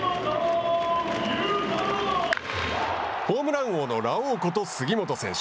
ホームラン王の「ラオウ」こと杉本選手。